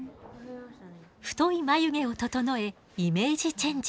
太い眉毛を整えイメージチェンジ。